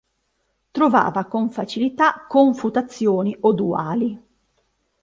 Trovava con facilità confutazioni o duali.